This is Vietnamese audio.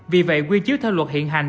vì vậy quy chiếu theo luật hiện hành